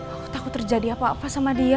aku takut terjadi apa apa sama dia